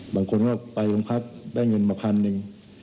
บางคนก็ไปลงภาพได้เงินมา๑๐๐๐หนึ่ง